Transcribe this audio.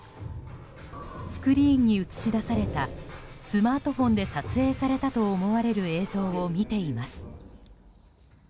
スクリーンに映し出されたスマートフォンで撮影されたと思われる映像を見ています。